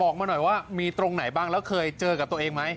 ออกมาหน่อยว่ามีตรงไหนบ้างแล้วเคยเจอกับตัวเองไหม